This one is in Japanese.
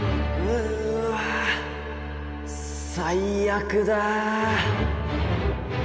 うわっ最悪だ！